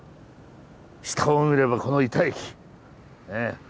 下を見ればこの板駅！ね。